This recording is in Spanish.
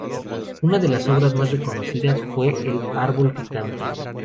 Una de sus obras más reconocidas fue "El árbol que canta".